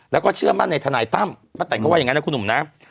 แล้วก็เชื่อมั่นในทนายตั้มป้าแต่นเขาว่าอย่างนั้นนะคุณหนุ่มนะ